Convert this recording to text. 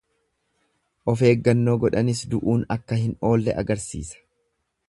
Of eeggannoo godhanis du'uun akka hin oolle agarsiisa.